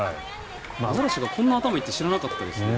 アザラシがこんなに頭がいいって知らなかったです。